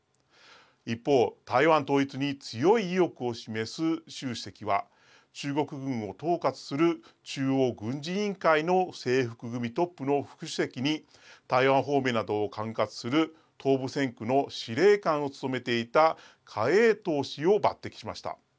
一方、台湾統一に強い意欲を示す習主席は中国軍を統括する中央軍事委員会の制服組トップの副主席に台湾方面などを管轄する東部戦区の司令官を務めていた何衛東氏を抜てきしました。